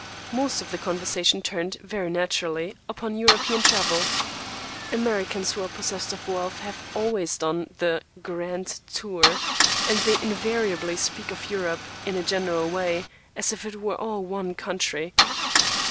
Most of the conversation turned, very naturally, upon European travel. Americans who are possessed of wealth always have done "the grand tour," and they invariably speak of "Europe" in a general way, as if it were all one country.